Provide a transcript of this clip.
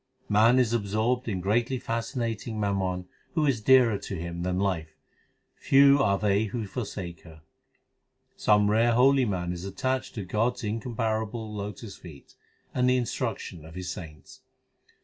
Man is absorbed in greatly fascinating mammon who is dearer to him than life : Few are they who forsake her. Some rare holy man is attached HYMNS OF GURU ARJAN 287 To God s incomparable lotus feet, and the instruction of His saints.